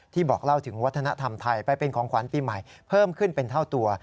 บอกเล่าถึงวัฒนธรรมไทยไปเป็นของขวัญปีใหม่เพิ่มขึ้นเป็นเท่าตัว